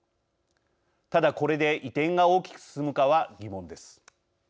ただ、これで移転が大きく進むかは疑問です。